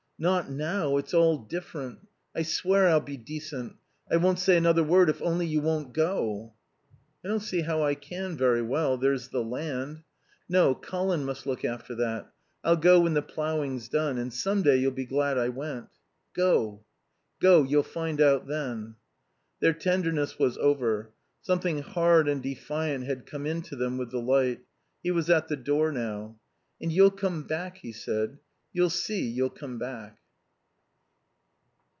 Not now. It's all different. I swear I'll be decent. I won't say another word if only you won't go." "I don't see how I can very well. There's the land... No. Colin must look after that. I'll go when the ploughing's done. And some day you'll be glad I went." "Go. Go. You'll find out then." Their tenderness was over. Something hard and defiant had come in to them with the light. He was at the door now. "And you'll come back," he said. "You'll see you'll come back."